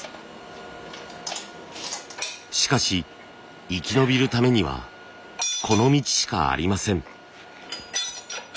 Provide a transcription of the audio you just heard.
しかし生き延びるためにはこの道しかありません。